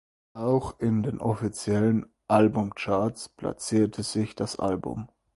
Auch in den offiziellen Albumcharts platzierte sich das Album.